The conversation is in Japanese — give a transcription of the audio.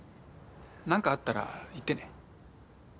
なんかあったら言ってね。